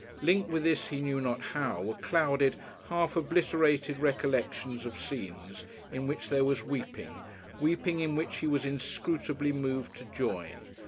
Linked with this, he knew not how, were clouded half obliterated recollections of scenes in which there was weeping, weeping in which he was inscrutably moved to join.